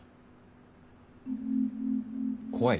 怖い？